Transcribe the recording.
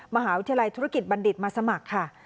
มหาวิทยาลัยธุรกิจบัณฑิตมาสมัครค่ะ